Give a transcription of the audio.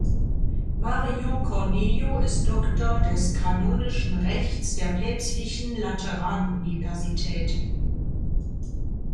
Mario Cornejo ist Doktor des kanonischen Rechts der Päpstlichen Lateran-Universität.